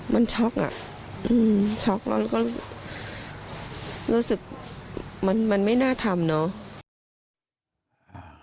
มันช็อกอ่ะช็อกแล้วมันก็รู้สึกมันไม่น่าทำเนาะ